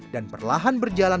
dan perlahan berjalan